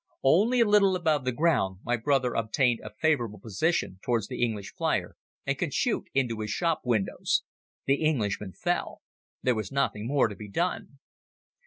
Only a little above the ground my brother obtained a favorable position towards the English flier and could shoot into his shop windows. The Englishman fell. There was nothing more to be done.